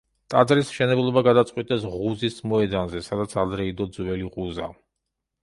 ტაძრის მშენებლობა გადაწყვიტეს ღუზის მოედანზე, სადაც ადრე იდო ძველი ღუზა.